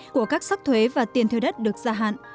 của các sắc thuế và tiền thuê đất được gia hạn